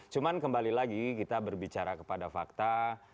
cuma kembali lagi kita berbicara kepada fakta